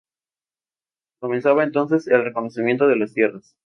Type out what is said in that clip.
Comenzaba, entonces, el reconocimiento de las tierras.